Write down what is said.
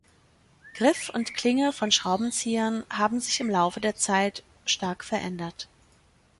Griff und Klinge von Schraubenziehern haben sich im Laufe der Zeit strak verändert.